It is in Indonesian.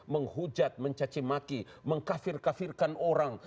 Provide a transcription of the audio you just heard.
menghujat mencacimaki mengkafir kafirkan orang